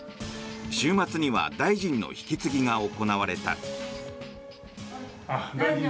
週末には大臣の引き継ぎが行われた。